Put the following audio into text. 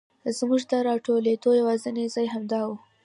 زمونږ د راټولېدو یواځینی ځای همدا و.